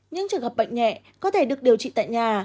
những trường hợp bệnh nhẹ có thể được điều trị tại nhà